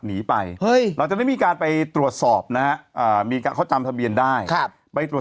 หนีไปเฮ้ยตรงนี้มีการไปตรวจสอบนะดิการเข้าจำทะเบียนได้ครับไปสวด